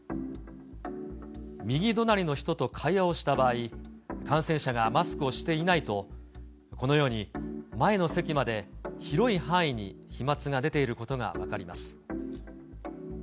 右隣の人と会話をした場合、感染者がマスクをしていないと、このように、前の席まで広い範囲に飛まつが出ていることが分かります。